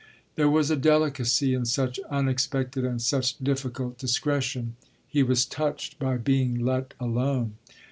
There was a delicacy in such unexpected and such difficult discretion he was touched by being let alone.